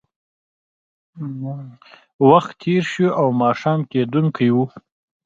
وخت تېر شو او ماښام کېدونکی و